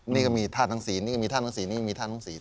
นี่ก็มีทาสทั้งสี่นี่ก็มีทาสทั้งสี่นี่ก็มีทาสทั้งสี่